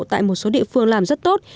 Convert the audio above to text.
tại một số địa phương làm rất tốt